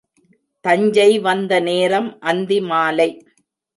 தஞ்சை வந்த நேரம் அந்தி மாலை.